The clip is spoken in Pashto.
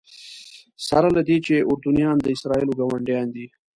سره له دې چې اردنیان د اسرائیلو ګاونډیان دي.